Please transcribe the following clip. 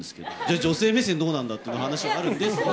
女性目線どうなんだっていうことがあるんですけど。